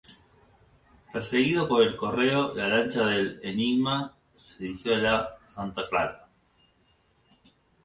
Perseguido por el "Correo" la lancha del "Enigma" se dirigió a la "Santa Clara".